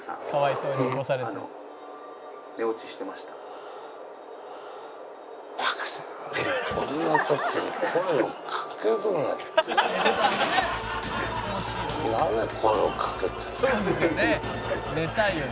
「そうですよね。